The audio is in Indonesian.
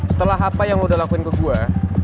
setelah apa yang lo udah lakuin ke gue